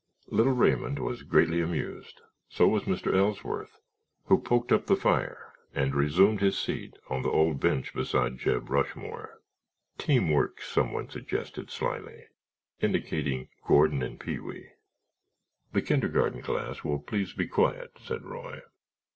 Little Raymond was greatly amused. So was Mr. Ellsworth who poked up the fire and resumed his seat on the old bench beside Jeb Rushmore. "Team work," someone suggested, slyly, indicating Gordon and Pee wee. "The kindergarten class will please be quiet," said Roy.